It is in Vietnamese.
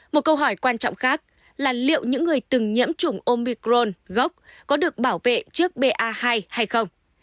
một câu hỏi quan trọng khác là liệu những người từng nhiễm chủng omicron gốc có được bảo vệ trước ba hai hay không